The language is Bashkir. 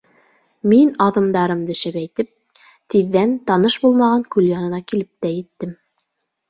Мин, аҙымдарымды шәбәйтеп, тиҙҙән, таныш булмаған күл янына килеп тә еттем.